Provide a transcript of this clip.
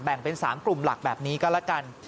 เป็น๓กลุ่มหลักแบบนี้ก็แล้วกัน